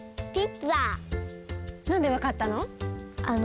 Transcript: なんでわかったの？